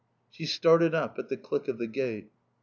She started up at the click of the gate.